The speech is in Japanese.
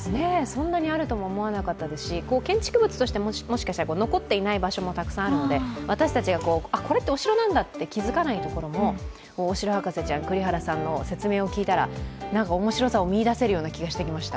そんなにあるのもすごいし、建築物として残っていない場所もたくさんあるので、私たちがこれってお城なんだと気づかないところも、お城博士ちゃん、栗原さんの説明を聞いたら面白さを見いだせる気がしてきました。